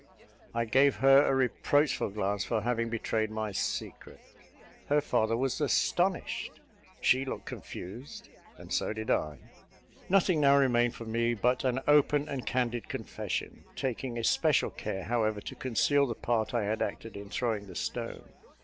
I gave her a reproachful glance for having betrayed my secret; her father was astonished she looked confused, and so did I. Nothing now remained for me but an open and candid confession, taking especial care, however, to conceal the part I had acted in throwing the stone.